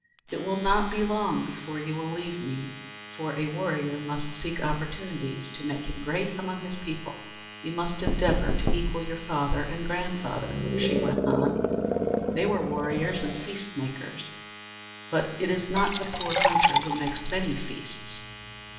It will not be long before you will leave me, for a warrior must seek opportunities to make him great among his people. "You must endeavor to equal your father and grandfather," she went on. "They were warriors and feast makers. But it is not the poor hunter who makes many feasts.